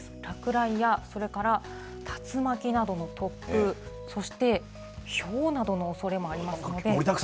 落雷や、それから竜巻などの突風、そしてひょうなどのおそれもありますので。